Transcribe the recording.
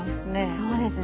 そうですね。